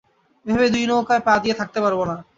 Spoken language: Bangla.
এভাবে দুই নৌকায় পা দিয়ে থাকতে পারব না।